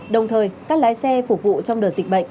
đồng thời các lái xe phục vụ trong đợt dịch bệnh